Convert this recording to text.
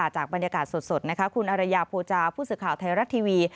จากบรรยากาศสดคุณอรยาโภจาผู้สื่อข่าวไทยรัฐทีวี